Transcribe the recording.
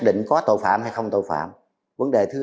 với các tội danh giết người theo điểm a